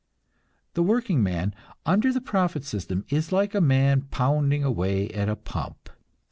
The workingman, under the profit system, is like a man pounding away at a pump.